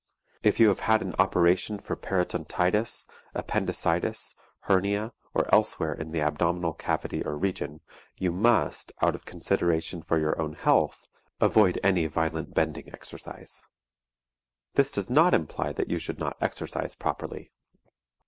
If you have had an operation for peritonitis, appendicitis, hernia, or elsewhere in the abdominal cavity or region, you must, out of consideration for your own health, avoid any violent bending exercise. This does not imply that you should not exercise properly.